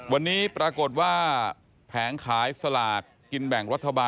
วันนี้ปรากฏว่าแผงขายสลากกินแบ่งรัฐบาล